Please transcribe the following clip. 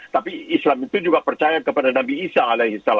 tapi islam itu juga percaya kepada nabi isa as